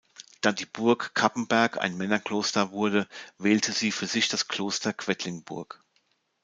Da die Burg Cappenberg ein Männerkloster wurde, wählte sie für sich das Kloster Quedlinburg.